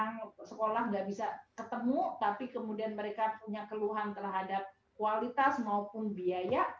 karena sekolah nggak bisa ketemu tapi kemudian mereka punya keluhan terhadap kualitas maupun biaya